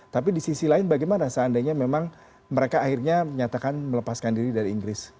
tapi di sisi lain bagaimana seandainya memang mereka akhirnya menyatakan melepaskan diri dari inggris